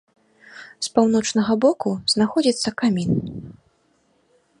З паўночнага боку знаходзіцца камін.